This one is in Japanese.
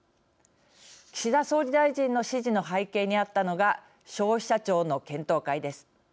岸田総理大臣の指示の背景にあったのが消費者庁の検討会です。